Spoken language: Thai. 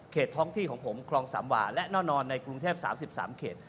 ท้องที่ของผมคลองสามวาและแน่นอนในกรุงเทพ๓๓เขต